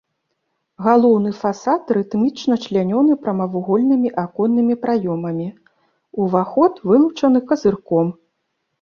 Галоўны фасад рытмічна члянёны прамавугольнымі аконнымі праёмамі, уваход вылучаны казырком.